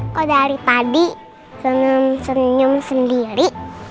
kok dari padi senyum senyum sendiri